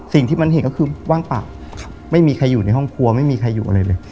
สิ่งที่มันเห็นก็คือว่างเปล่าไม่มีใครอยู่ในห้องครัวไม่มีใครอยู่อะไรเลย